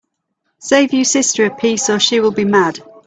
Save you sister a piece, or she will be mad.